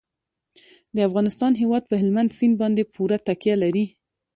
د افغانستان هیواد په هلمند سیند باندې پوره تکیه لري.